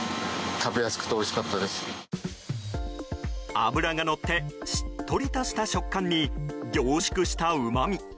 脂がのってしっとりとした食感に、凝縮したうまみ。